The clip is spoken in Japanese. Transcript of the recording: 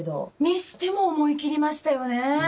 にしても思い切りましたよねぇ。